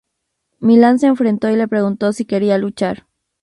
Milan se enfrentó y le preguntó si quería luchar.